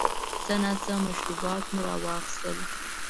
څه ناڅه مشروبات مو را واخیستل.